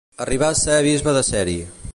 Arribà a ser bisbe de Ceri.